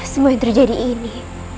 semua yang terjadi ini